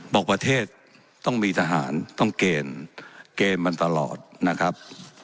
ประเทศต้องมีทหารต้องเกณฑ์เกณฑ์มันตลอดนะครับ